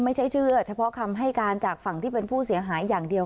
ไม่ใช่เชื่อเฉพาะคำให้การจากฝั่งที่เป็นผู้เสียหายอย่างเดียว